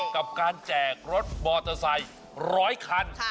กับการแจกรถมอเตอร์ไซค์๑๐๐คัน